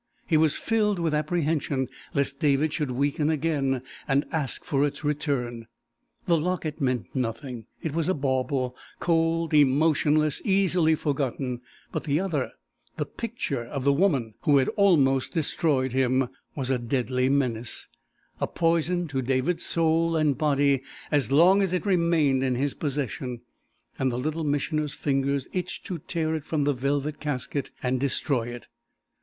He was filled with apprehension lest David should weaken again, and ask for its return. The locket meant nothing. It was a bauble cold, emotionless, easily forgotten; but the other the picture of the woman who had almost destroyed him was a deadly menace, a poison to David's soul and body as long as it remained in his possession, and the Little Missioner's fingers itched to tear it from the velvet casket and destroy it.